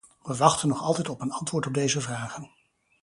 We wachten nog altijd op een antwoord op deze vragen.